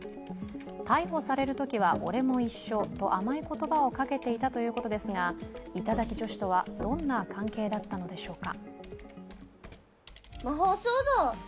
「逮捕されるときは俺も一緒」と甘い言葉をかけていたということですが、頂き女子とはどんな関係だったのでしょうか。